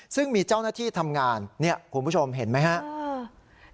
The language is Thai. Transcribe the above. ซึ่งมีเจ้าหน้าที่ทำงานเนี่ยคุณผู้ชมเห็นไหมครับ